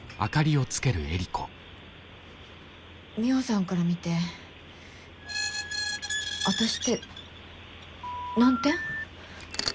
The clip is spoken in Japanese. ミホさんから見て私って何点？